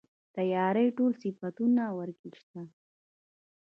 د يارۍ ټول صفتونه ورکې شته.